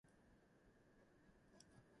All other experiments operated successfully.